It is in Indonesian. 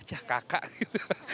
cah kakak gitu